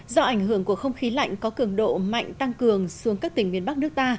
do ảnh hưởng của không khí lạnh có cường độ mạnh tăng cường xuống các tỉnh miền bắc nước ta